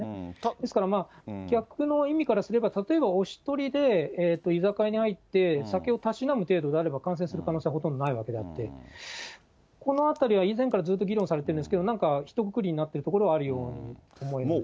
ですからまあ、逆の意味からすれば、例えばお１人で居酒屋に入って、酒をたしなむ程度であれば感染する可能性はほとんどないわけであって、このあたりは以前からずっと議論されてるんですけど、なんか一くくりになっているところはあるように思いますね。